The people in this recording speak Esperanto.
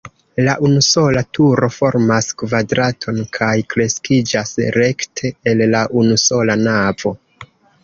La unusola turo formas kvadraton kaj kreskiĝas rekte el la unusola navo.